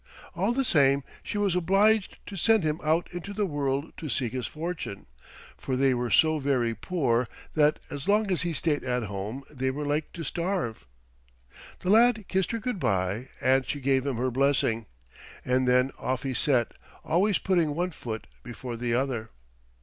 All the same she was obliged to send him out into the world to seek his fortune, for they were so very poor that as long as he stayed at home they were like to starve. The lad kissed her good by, and she gave him her blessing, and then off he set, always putting one foot before the other.